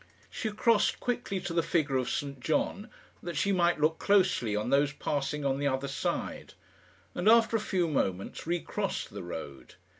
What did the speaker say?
She crossed quickly to the figure of St John, that she might look closely on those passing on the other side, and after a few moments recrossed the road.